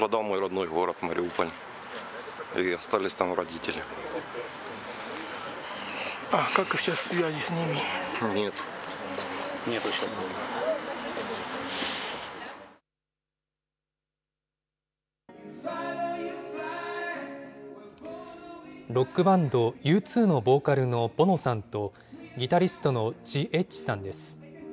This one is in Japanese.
ロックバンド、Ｕ２のボーカルのボノさんと、ギタリストのジ・エッジさんです。